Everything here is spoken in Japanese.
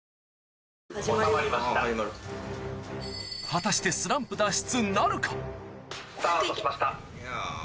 果たしてスランプ脱出なるか？